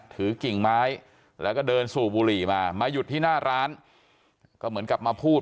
กิ่งไม้แล้วก็เดินสูบบุหรี่มามาหยุดที่หน้าร้านก็เหมือนกับมาพูด